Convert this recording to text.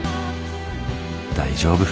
大丈夫。